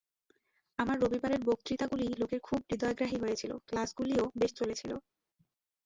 আমার রবিবারের বক্তৃতাগুলি লোকের খুব হৃদয়গ্রাহী হয়েছিল, ক্লাসগুলিও বেশ চলেছিল।